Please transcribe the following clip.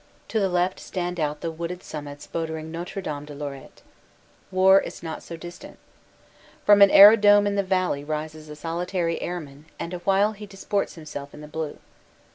To the left stand out the wooded sum mits bordering Notre Dame de Lorette. War is not so dis tant. From an aerodrome in the valley rises a solitary airman and awhile he disports himself in the blue.